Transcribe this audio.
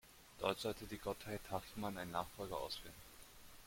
Dort sollte die Gottheit Hachiman einen Nachfolger auswählen.